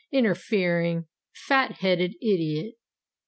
"Interfering, fat headed idiot!"